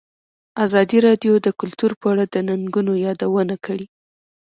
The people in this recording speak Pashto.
ازادي راډیو د کلتور په اړه د ننګونو یادونه کړې.